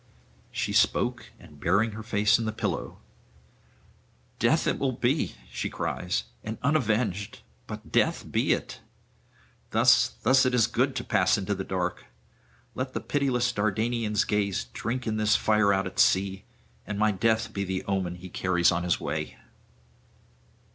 She spoke; and burying her face in the pillow, 'Death it will be,' she cries, 'and unavenged; but death be it. Thus, thus is it good to pass into the dark. Let the pitiless Dardanian's gaze drink in this fire out at sea, and my death be the omen he carries on his way.'